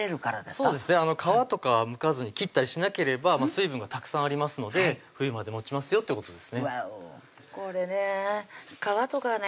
そうですね皮とかむかずに切ったりしなければ水分がたくさんありますので冬までもちますよってことですねわおこれね皮とかね